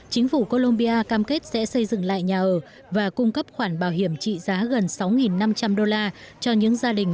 chính phủ colombia cam kết sẽ xây dựng lại nhà ở và cung cấp khoản bảo hiểm trị giá gần sáu năm trăm linh đô la cho những gia đình